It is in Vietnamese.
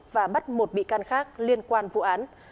và bắt một bị can khác liên quan vụ án